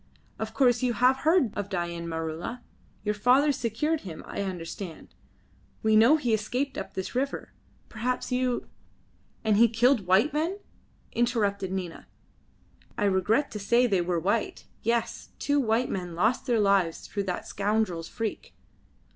Of course you have heard of Dain Maroola. Your father secured him, I understand. We know he escaped up this river. Perhaps you " "And he killed white men!" interrupted Nina. "I regret to say they were white. Yes, two white men lost their lives through that scoundrel's freak."